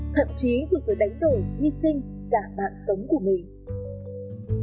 thậm chí dù phải đánh đổi hy sinh cả mạng sống của mình